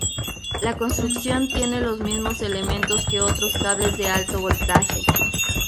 La construcción tiene los mismos elementos que otros cables de alto voltaje.